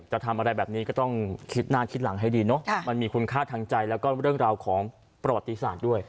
จะทำอะไรแบบนี้ก็ต้องคิดหน้าคิดหลังให้ดีเนอะมันมีคุณค่าทางใจแล้วก็เรื่องราวของประวัติศาสตร์ด้วย